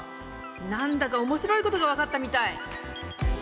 何だか面白いことが分かったみたい。